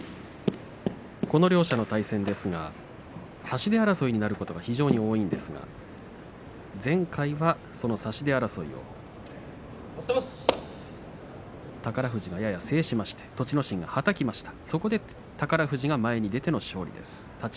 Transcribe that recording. この両者の対戦ですが差し手争いになることが非常に多いんですが前回はその差し手争いを宝富士がやや制しまして栃ノ心がはたきました。